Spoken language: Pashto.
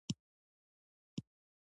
نفت د افغانستان د طبیعت د ښکلا برخه ده.